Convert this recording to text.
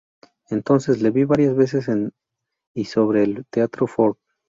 Entonces le vi varias veces en y sobre el teatro Ford.